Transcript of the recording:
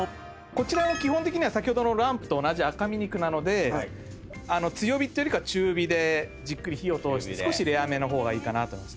こちらも基本的にはランプと同じ赤身肉なので強火っていうよりかは中火でじっくり火を通して少しレアめの方がいいかなと。